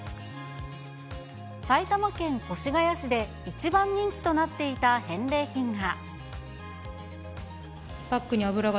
埼玉県越谷市で一番人気となっていた返礼品が。